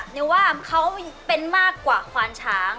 นิวว่าเขาเป็นมากกว่าควานช้าง